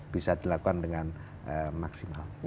bisa dilakukan dengan maksimal